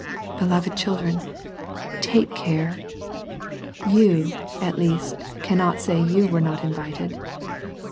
Beloved children, take care. You, at least cannot say you were not invited.